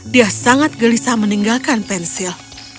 dia sangat gelisah meninggalkan pensil